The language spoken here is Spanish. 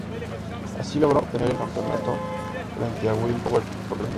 Así logró obtener el campeonato frente a Will Power por tres puntos.